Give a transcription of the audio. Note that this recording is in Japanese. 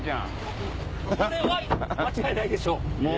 これは間違いないでしょう。